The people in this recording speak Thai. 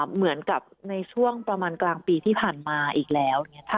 เหมือนกับในช่วงประมาณกลางปีที่ผ่านมาอีกแล้ว